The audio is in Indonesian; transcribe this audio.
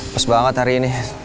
pas banget hari ini